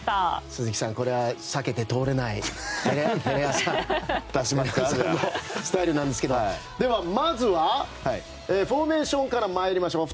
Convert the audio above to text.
鈴木さんこれは避けては通れないテレ朝のスタイルなんですがまずはフォーメーションから参りましょう。